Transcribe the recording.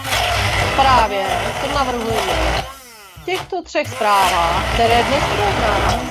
Právě to navrhujeme v těchto třech zprávách, které dnes projednáváme.